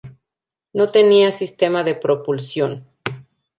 No tenía sistema de propulsión.